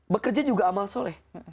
bekerja juga amal soleh